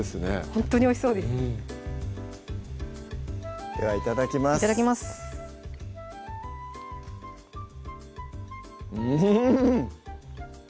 ほんとにおいしそうですではいただきますいただきますうん！